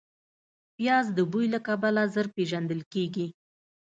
پیاز د بوی له کبله ژر پېژندل کېږي